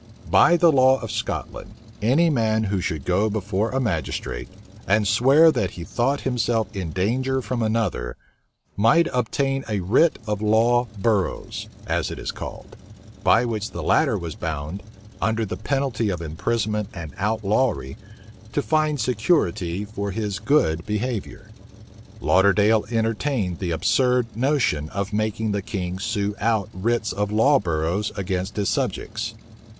By the law of Scotland, any man who should go before a magistrate, and swear that he thought himself in danger from another, might obtain a writ of law burrows, as it is called; by which the latter was bound, under the penalty of imprisonment and outlawry, to find security for his good behavior. Lauderdale entertained the absurd notion of making the king sue out writs of law burrows against his subjects.